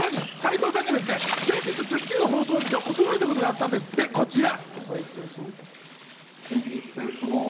さらに斎藤さんが先日『スッキリ』の放送を見て驚いたことがあったんですって、こちら。